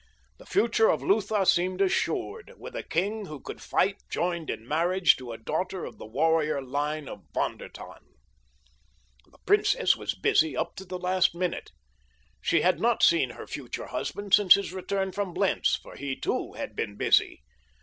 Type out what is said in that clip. The future of Lutha seemed assured with a king who could fight joined in marriage to a daughter of the warrior line of Von der Tann. The princess was busy up to the last minute. She had not seen her future husband since his return from Blentz, for he, too, had been busy.